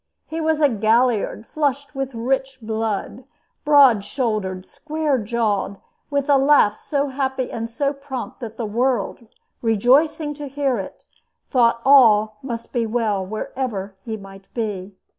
He was "a galliard, flushed with rich blood, broad shouldered, square jawed, with a laugh so happy and so prompt that the world, rejoicing to hear it, thought all must be well wherever he might be.